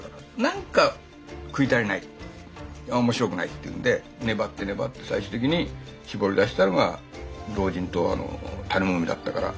「なんか食い足りない面白くない」って言うんで粘って粘って最終的に絞り出したのが老人と種モミだったから。